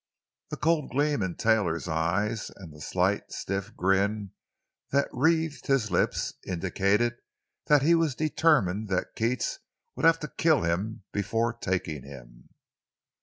The cold gleam in Taylor's eyes and the slight, stiff grin that wreathed his lips, indicated that he had determined that Keats would have to kill him before taking him.